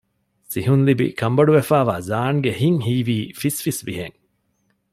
ސިހުންލިބި ކަންބޮޑުވެފައިވާ ޒާންގެ ހިތް ހީވީ ފިސްފިސްވިހެން